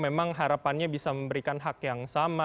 memang harapannya bisa memberikan hak yang sama